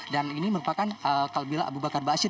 dan ini merupakan kalbila aba bakar aba asyir